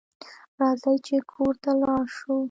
راځئ چې کور ته ولاړ شو